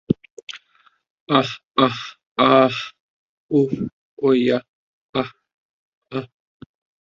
আহ, আহ, আহহাহ, উহ, ওহ ইয়া, আহাহ, আহ।